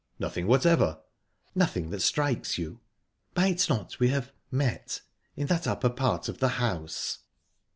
"Nothing whatever." "Nothing that strikes you?" "Might not we have met in that upper part of the house?"